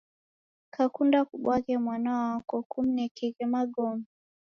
Kakunda kubwaghe mwana wako mnekeghe magome.